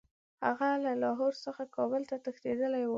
هغه له لاهور څخه کابل ته تښتېتدلی وو.